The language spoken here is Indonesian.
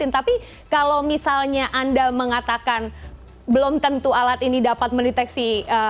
tapi kalau misalnya anda mengatakan belum tentu alat ini dapat mendeteksi